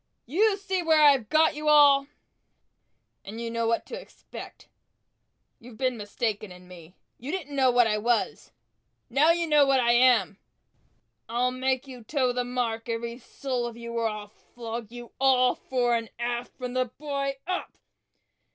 You see where I've got you all, and you know what to expect!" "You've been mistaken in me you didn't know what I was! Now you know what I am!" "I'll make you toe the mark, every soul of you, or I'll flog you all, fore and aft, from the boy, up!"